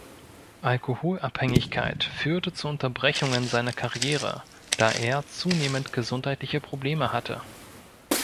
Alkoholabhängigkeit führte zu Unterbrechungen seiner Karriere, da er zunehmend gesundheitliche Probleme hatte.